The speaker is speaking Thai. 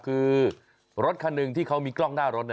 คือรถคันหนึ่งที่เขามีกล้องหน้ารถ